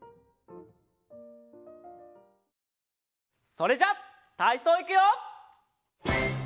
それじゃたいそういくよ！